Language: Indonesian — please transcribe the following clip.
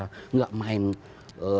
tidak main hantar panggung